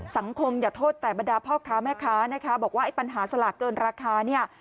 อย่าโทษแต่บรรดาพ่อค้าแม่ค้านะคะบอกว่าไอ้ปัญหาสลากเกินราคาเนี่ย